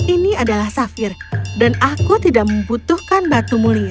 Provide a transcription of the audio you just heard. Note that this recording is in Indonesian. ini adalah safir dan aku tidak membutuhkan batu mulia